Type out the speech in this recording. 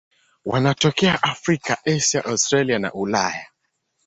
Wanatokea Afrika, Asia, Australia na Ulaya.